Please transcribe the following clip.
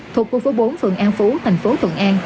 thuộc khu phố bốn phường an phú thành phố thuận an